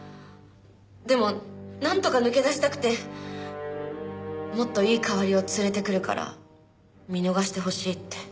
でもなんとか抜け出したくてもっといい代わりを連れてくるから見逃してほしいって。